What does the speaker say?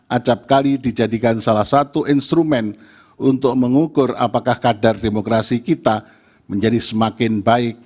acapkali dijadikan salah satu instrumen untuk mengukur apakah kadar demokrasi kita menjadi semakin baik